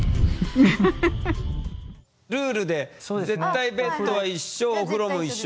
ルールで絶対ベッドは一緒お風呂も一緒。